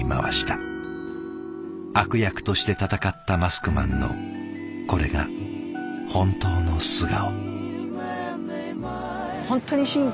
悪役として戦ったマスクマンのこれが本当の素顔。